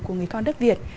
của người con đất việt